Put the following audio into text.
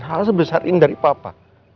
hal sebesar ini dari papa